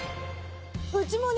うちもね